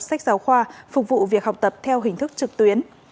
sách giáo khoa phục vụ việc học tập theo hình thức trực tuyến